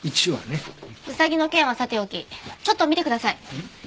ウサギの件はさておきちょっと見てください。